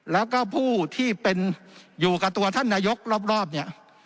แล้วก็ผู้ที่เป็นอยู่กับตัวท่านนายกรอบเนี่ย